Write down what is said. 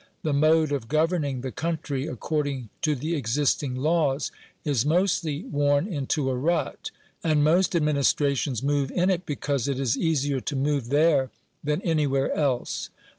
The mode of governing the country, according to the existing laws, is mostly worn into a rut, and most administrations move in it because it is easier to move there than anywhere else.